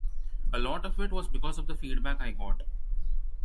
A lot of it was because of the feedback I got.